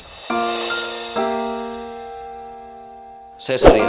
ini ayah saya bu laras